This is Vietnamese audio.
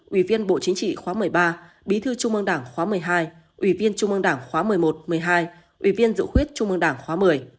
ủy viên bộ chính trị khóa một mươi ba bí thư trung ương đảng khóa một mươi hai ủy viên trung ương đảng khóa một mươi một một mươi hai ủy viên dự khuyết trung ương đảng khóa một mươi